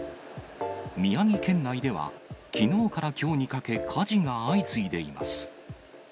宮城県内では、きのうからきょうにかけ、火事が相次いでいます。